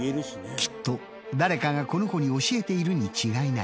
きっと誰かがこの子に教えているに違いない。